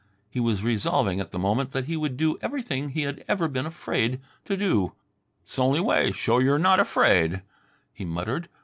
He was resolving at the moment that he would do everything he had ever been afraid to do. "'S only way show you're not afraid," he muttered.